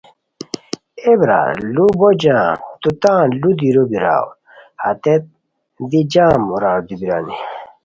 اے برار لو بو جم تو تان لو دیرو بیراوا ہتیت دی جام راردو بیرانی